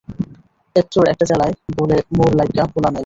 এত্তোর একটা জেলায় বোলে মোর লইগ্গা পোলা নাই।